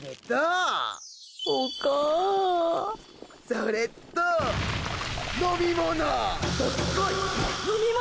それと飲み物。